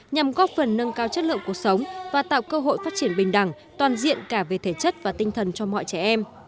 nhằm góp phần nâng cao chất lượng cuộc sống và tạo cơ hội phát triển bình đẳng toàn diện cả về thể chất và tinh thần cho mọi trẻ em